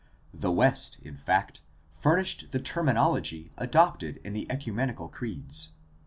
The West in fact furnished the terminology adopted in the ecumenical creeds.